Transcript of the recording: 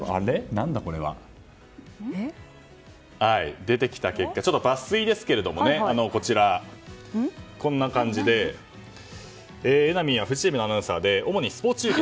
何だ、これは。出てきた結果、抜粋ですがこんな感じで榎並はフジテレビのアナウンサーで主にスポーツ中継。